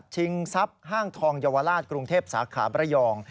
ชิงทรัพย์ห้างทองเยาวราชกรุงเทพสาขาบรยอง